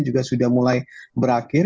juga sudah mulai berakhir